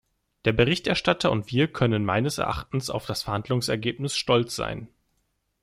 Der Berichterstatter und wir können meines Erachtens auf das Verhandlungsergebnis stolz sein.